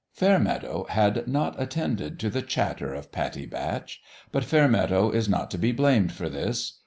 Fairmeadow had not attended to the chatter of Pattie Batch. But Fairmeadow is not to be blamed for this.